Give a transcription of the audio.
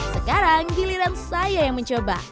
sekarang giliran saya yang mencoba